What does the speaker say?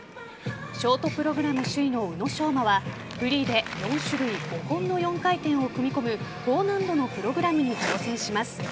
ショートプログラム首位の宇野昌磨はフリーで４種類５本の４回転を組み込む高難度のプログラムに挑戦します。